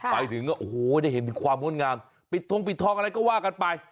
ไปถึงโอ้โฮได้เห็นความมดงามปิดทองอะไรก็ว่ากันไป